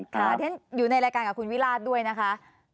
ฉันอยู่ในรายการกับคุณวิราชด้วยนะคะ